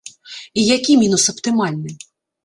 І які мінус аптымальны?